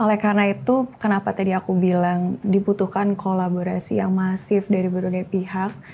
dan oleh karena itu kenapa tadi aku bilang diputuhkan kolaborasi yang masif dari berbagai pihak